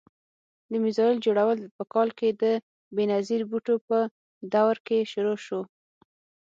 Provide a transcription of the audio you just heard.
د میزایل جوړول په کال کې د بېنظیر بوټو په دور کې شروع شو.